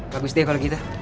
bagus deh kalau gitu